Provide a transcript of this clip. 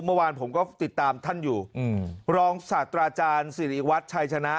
เมื่อวานผมก็ติดตามท่านอยู่อืมรองศาสตราอาจารย์สิริวัตรชัยชนะ